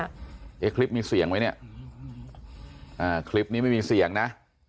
อ่ะคลิปนี้มีเสี่ยงไหมเนี่ยคลิปนี้ไม่มีเสี่ยงนะ